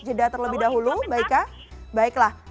jeda terlebih dahulu mbak ika baiklah